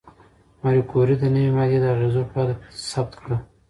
ماري کوري د نوې ماده د اغېزو پایله ثبت کړه.